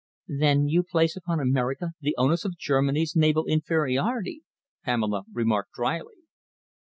"Then you place upon America the onus of Germany's naval inferiority," Pamela remarked drily.